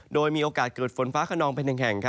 โดยมีโอกาสเกิดฝนฟ้าขนองเป็น๑แห่ง